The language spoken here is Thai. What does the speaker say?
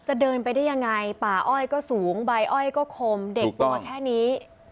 เดินไปได้ยังไงป่าอ้อยก็สูงใบอ้อยก็คมเด็กตัวแค่นี้